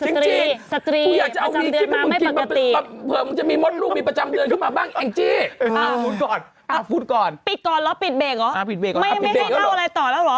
นี่ติดยังไงครับพี่